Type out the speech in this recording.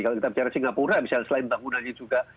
kalau kita bicara singapura misalnya selain bangunannya juga